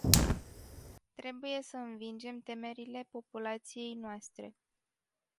Trebuie să învingem temerile populației noastre.